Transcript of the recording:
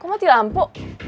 kok mati lampu